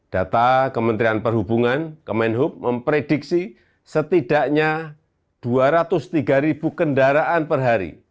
data kementerian perhubungan kemenhub memprediksi setidaknya dua ratus tiga ribu kendaraan per hari